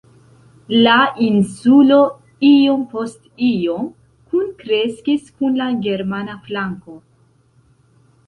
La insulo iom post iom kunkreskis kun la germana flanko.